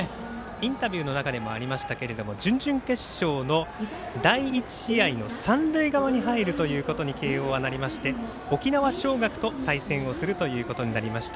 インタビューの中でもありましたが準々決勝の第１試合の三塁側に入るということになりまして沖縄尚学と対戦をするということになりました。